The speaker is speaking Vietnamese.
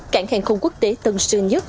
cảng hàng không quốc tế tân sơn nhất